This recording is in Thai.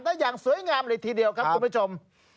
ได้อย่างสวยงามเลยทีเดียวครับคุณผู้ชม